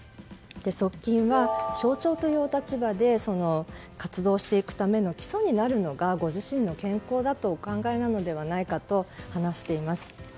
側近は象徴というお立場で活動していくための基礎になるのがご自身の健康だとお考えなのではないかと話しています。